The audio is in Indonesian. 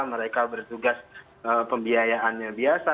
mereka bertugas pembiayaannya biasa